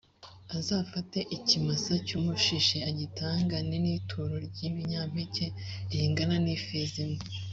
azafate ikimasa cy umushishe agitangane n ituro ry ibinyampeke ringana na efa imwe